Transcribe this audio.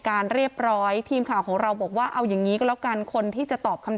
เรียบร้อยทีมข่าวของเราบอกว่าเอาอย่างนี้ก็แล้วกันคนที่จะตอบคำ